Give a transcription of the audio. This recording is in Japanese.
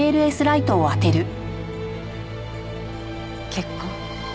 血痕。